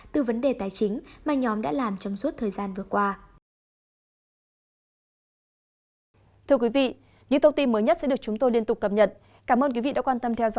từ vấn đề tài chính mà nhóm đã làm trong suốt thời gian vừa qua